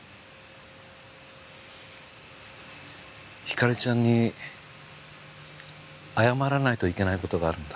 ひかりちゃんに謝らないといけないことがあるんだ。